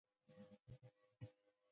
هغوی یوځای د موزون ځنګل له لارې سفر پیل کړ.